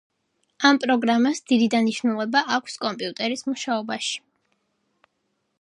ამ პროგრამას დიდი დანიშნულება აქვს კომპიუტერის მუშაობაში.